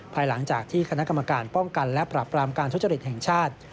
ภายหลังจากที่คณะกรรมการป้องกันและปรับปรามการทุจริตแห่งชาติ